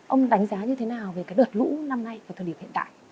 ông đánh giá như thế nào về đợt lũ năm nay và thời điểm hiện tại